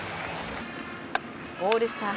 オールスター